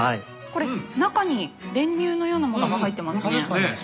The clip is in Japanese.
これ中に練乳のようなものが入ってますね。